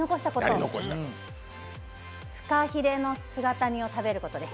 ふかひれの姿煮を食べることです。